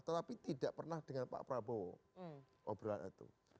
tetapi tidak pernah dengan pak prabowo obrolan itu